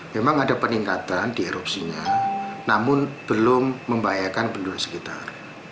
memang ada peningkatan di erupsinya namun belum membahayakan penduduk sekitar